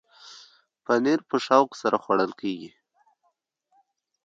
پنېر په شوق سره خوړل کېږي.